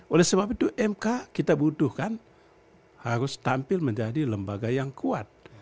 oleh sebab itu mk kita butuhkan harus tampil menjadi lembaga yang kuat